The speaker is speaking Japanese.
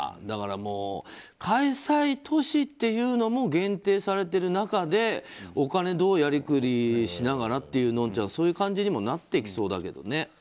だから、開催都市っていうのも限定されてる中でお金どうやりくりしながらっていうのんちゃん、そういう感じにもなってきそうだけどね。